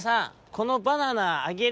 このバナナあげる」。